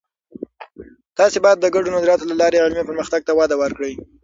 تاسې باید د ګډو نظریاتو له لارې علمي پرمختګ ته وده ورکړئ.